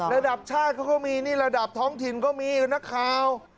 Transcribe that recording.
ระดับชาติเขาก็มีนี่ระดับท้องถิ่นก็มีนักข่าว